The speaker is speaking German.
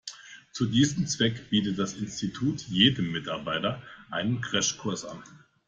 Zu diesem Zweck bietet das Institut jedem Mitarbeiter einen Crashkurs an.